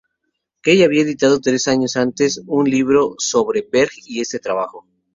Kay había editado tres años antes un libro sobre Berg y este trabajo.